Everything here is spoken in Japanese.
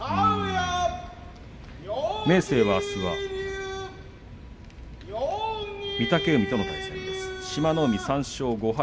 明生は、あすは御嶽海との対戦です。